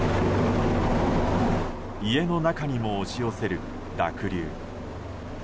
家の中にも押し寄せる濁流。